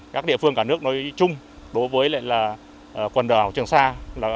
các địa phương cả nước nói chung đối với quần đảo trường sa